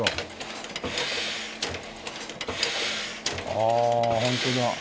ああホントだ。